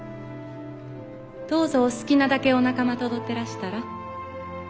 どうぞお好きなだけお仲間と踊ってらしたら？